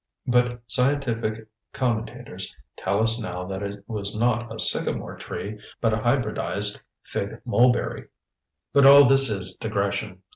But scientific commentators tell us now that it was not a sycamore tree, but a hybridized fig mulberry! But all this is digression.